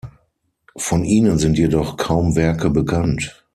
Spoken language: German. Von ihnen sind jedoch kaum Werke bekannt.